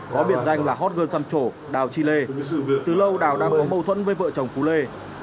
có biệt danh là hot girl xăm chổ đào chi lê từ lâu đào đang có mâu thuẫn với vợ chồng phú lê